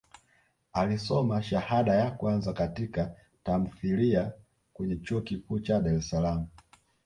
Alisoma shahada ya kwanza katika tamthilia kwenye Chuo Kikuu cha Dar es Salaam